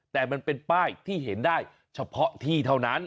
แต่มันเป็นป้ายที่เห็นได้เฉพาะที่เท่านั้น